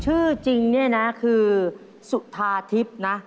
ชื่อจริงเนี่ยนะคือสุธาทิพย์นะ